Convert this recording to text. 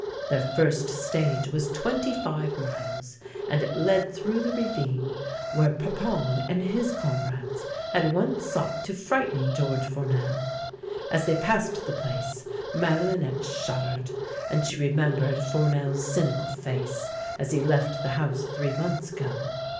Their first stage was twenty five miles, and it led through the ravine where Parpon and his comrades had once sought to frighten George Fournel. As they passed the place Madelinctte shuddered, and she remembered Fournel's cynical face as he left the house three months ago.